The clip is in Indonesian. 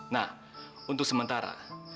nah untuk sementara